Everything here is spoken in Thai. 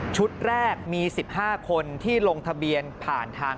แรกมี๑๕คนที่ลงทะเบียนผ่านทาง